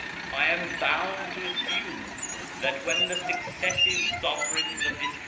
I am bound to assume that when the successive Sovereigns of this.